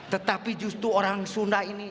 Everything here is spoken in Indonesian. tetapi justru orang sunda